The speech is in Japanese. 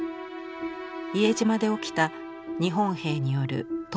伊江島で起きた日本兵による島民殺害。